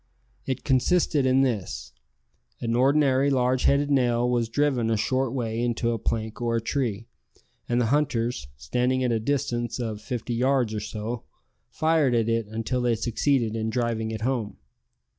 It consisted in this: an ordinary large headed nail was driven a short way into a plank or a tree, and the hunters, standing at a distance of fifty yards or so, fired at it until they succeeded in driving it home.